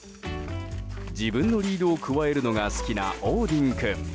自分のリードをくわえるのが好きなオーディン君。